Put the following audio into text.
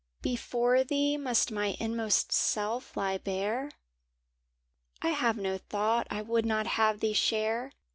Before thee must my inmost self lie bare? I have no thought I would not have thee share.